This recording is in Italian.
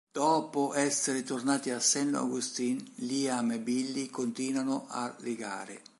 Dopo essere tornati a Saint Augustine, Liam e Billy continuano a legare.